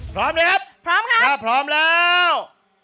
พร้อมหรือครับถ้าพร้อมแล้วพร้อมครับพร้อมครับ